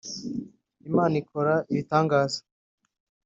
Imana ikora ibitangaza